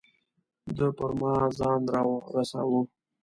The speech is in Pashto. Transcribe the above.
ده پر ما ځان را رساوه.